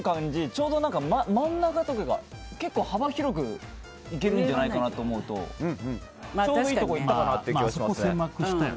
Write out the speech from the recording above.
ちょうど真ん中で結構幅広くいけるんじゃないかなと思うとちょうどいいところいったかなと思います。